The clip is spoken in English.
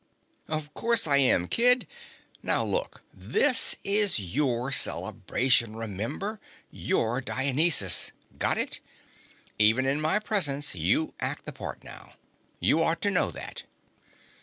"Of course I am, kid. Now, look: this is your celebration, remember? You're Dionysus. Got it? Even in my presence, you act the part now. You ought to know that."